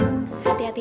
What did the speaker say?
hati hati di jalannya